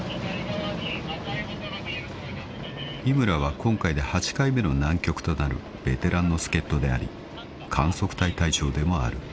［伊村は今回で８回目の南極となるベテランの助っ人であり観測隊隊長でもある］